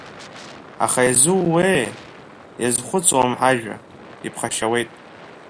Аха иазууеи, иазхәыцуам ҳажәа, иԥхашьауеит…